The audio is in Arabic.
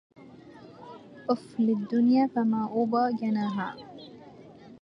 أف للدنيا فما أوبا جناها